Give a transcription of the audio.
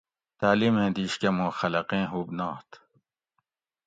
تعلیمیں دِیش کہ مُوں خلقیں ہُوب نات